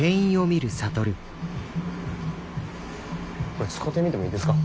これ使うてみてもいいですか？